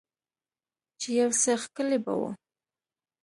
چې يو څه ښکلي به وو.